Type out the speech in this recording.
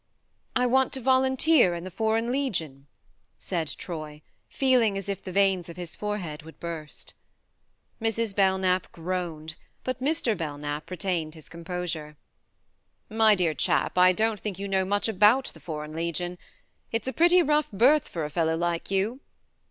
58 THE MARNE " I want to volunteer in the Foreign Legion," said Troy, feeling as if the veins of his forehead would burst. Mrs. Belknap groaned, but Mr. Belknap retained his composure. "My dear chap, I don't think you know much about the Foreign Legion. It's a pretty rough berth for a fellow like you.